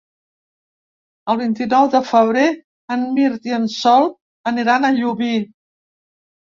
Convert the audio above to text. El vint-i-nou de febrer en Mirt i en Sol aniran a Llubí.